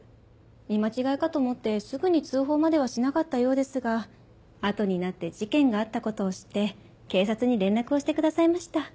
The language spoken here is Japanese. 見間違えかと思ってすぐに通報まではしなかったようですが後になって事件があったことを知って警察に連絡をしてくださいました。